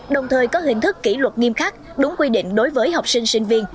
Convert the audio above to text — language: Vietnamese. đồng thời có hình thức kỷ luật nghiêm khắc đúng quy định đối với học sinh sinh viên